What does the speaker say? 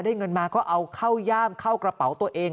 เงินมาก็เอาเข้าย่ามเข้ากระเป๋าตัวเอง